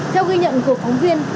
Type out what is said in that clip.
theo ghi nhận của phóng viên